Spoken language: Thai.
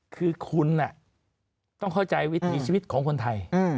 คือคุณต้องเข้าใจวิถีชีวิตของคนไทย